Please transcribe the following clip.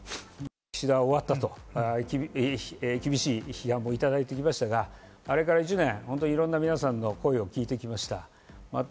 岸田は終わったと、厳しい批判も頂いてきましたが、あれから１年、本当にいろんな皆さんの声を聞いてきました。